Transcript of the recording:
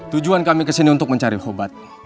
tujuan kami kesini untuk mencari obat